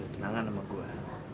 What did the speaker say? tenangan sama gue